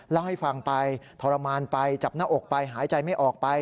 เล่าให้ฟังไปทรมานไปจับหน้าอกไปหายใจไม่ออกไป